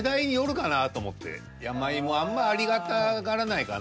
何か山芋あんまありがたがらないかな。